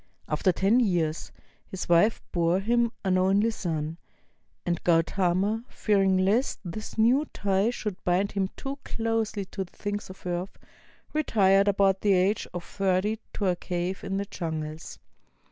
After ten years, his wife bore to him an only son; and Gautama, fearing lest this new tie should bind him too closely to the things of earth, retired about the age of thirty to a cave in the jungles.